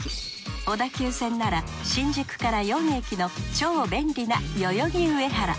小田急線なら新宿から４駅の超便利な代々木上原。